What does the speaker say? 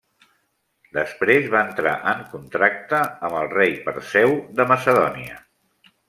Després va entrar en contracte amb el rei Perseu de Macedònia.